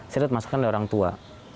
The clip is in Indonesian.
saya lihat masukan dari orang tua